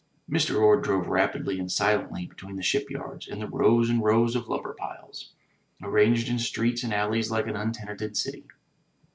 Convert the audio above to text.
Mr. Orde drove rapidly and silently between the shipyards and the rows and rows of lumber piles, arranged in streets and alleys like an untenanted city.